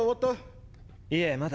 いえまだ。